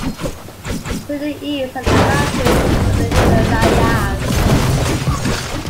To the east are the mountains of the Himalayas.